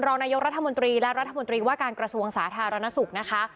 รองนายกรัฐมนตรีและรัฐมนตรีว่าการกระทรวงสาธารณสุขนะคะ